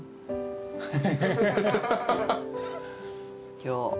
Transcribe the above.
今日。